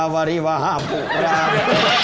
ว้าวคาคาหวัง